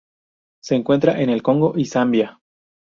Se encuentra en el Congo y Zambia.